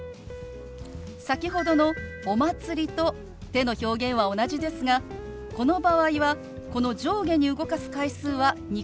先ほどの「お祭り」と手の表現は同じですがこの場合はこの上下に動かす回数は２回に限りません。